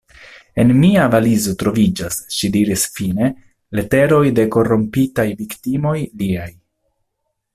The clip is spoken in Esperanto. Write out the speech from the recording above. En mia valizo troviĝas, ŝi diris fine, leteroj de korrompitaj viktimoj liaj.